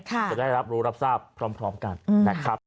จะได้รับรู้รับทราบพร้อมกันนะครับ